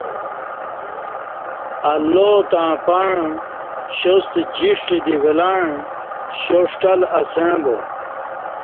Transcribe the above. اللہ تݩع پݩع شاستہ جیݜٹ دی ولّاݩع شا ݜٹل اسݩع با